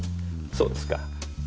そうですか。